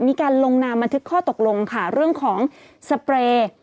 มีการลงนามบันทึกข้อตกลงค่ะเรื่องของสเปรย์